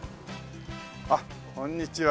あっこんにちは。